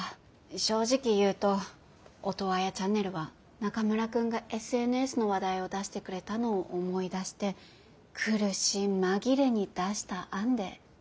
正直言うとオトワヤチャンネルは中村くんがＳＮＳの話題を出してくれたのを思い出して苦し紛れに出した案で。